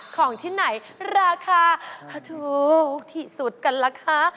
ของที่ไหนราคาถูกที่สุดกันรักคะ